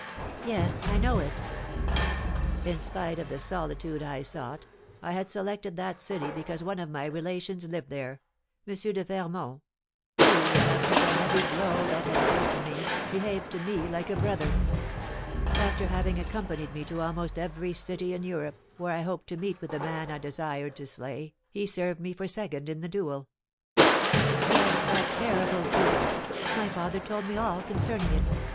"Yes, I know it." "In spite of the solitude I sought, I had selected that city because one of my relations lived there, M. de Fermont, who, after the heavy blow that had smitten me, behaved to me like a brother. After having accompanied me to almost every city in Europe, where I hoped to meet with the man I desired to slay, he served me for second in the duel " "Yes, that terrible duel; my father told me all concerning it!"